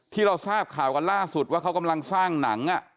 ที่เราทราบข่าวกันล่าสุดว่าเขากำลังสร้างหนัง